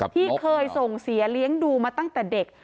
ที่เคยส่งเสียเลี้ยงดูมาตั้งแต่เด็ก